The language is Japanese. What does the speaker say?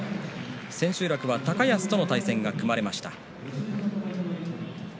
千秋楽は高安との対戦が組まれました。